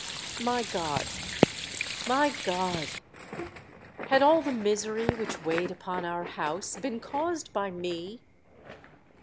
My God! my God! had all the misery which weighed upon our house been caused by me?